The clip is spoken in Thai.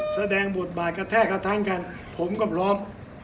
แสดงบทบาทกระแทกกระทั้งกันผมก็พร้อม